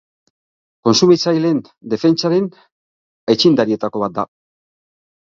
Kontsumitzaileen defentsaren aitzindarietako bat da.